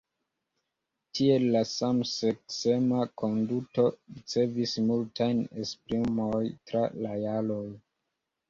Tiel la samseksema konduto ricevis multajn esprimojn tra la jaroj.